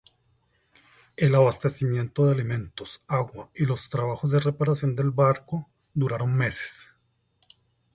El abastecimiento de alimentos, agua y los trabajos de reparación del barco, duraron meses.